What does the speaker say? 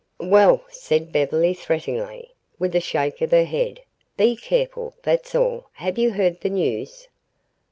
"Well," said Beverly threateningly, with a shake of her head, "be careful, that's all. Have you heard the news?"